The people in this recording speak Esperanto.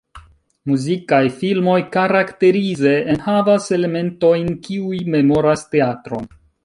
Muzikaj filmoj karakterize enhavas elementojn kiuj memoras teatron.